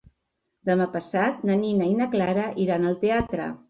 Demà passat na Nina i na Clara iran al teatre.